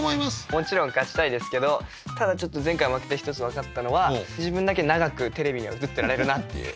もちろん勝ちたいですけどただ前回負けて一つ分かったのは自分だけ長くテレビには映ってられるなっていう。